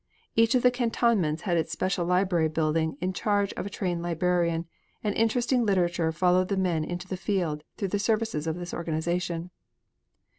Each of the cantonments had its special library building in charge of a trained librarian, and interesting literature followed the men into the field through the services of this organization.